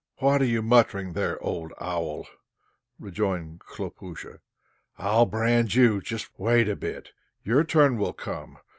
"What are you muttering there, old owl?" rejoined Khlopúsha. "I'll brand you! Wait a bit, your turn will come.